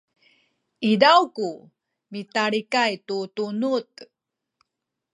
izaw ku mitalikay tu tunuz